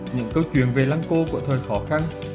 những câu chuyện về lăng cô của thời khó khăn